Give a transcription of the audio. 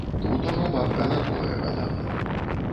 Тут ужо бабка на двое гадала.